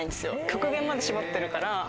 極限まで絞ってるから。